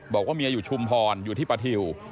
บอกว่าเมียอยู่ชุมพรอยู่ที่ปฐิว